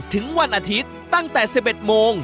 ถึงวันอาทิตย์ตั้งแต่สิบเอ็ดโมง